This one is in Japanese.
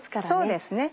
そうですね